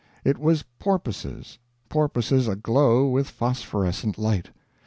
It was porpoises porpoises aglow with phosphorescent light.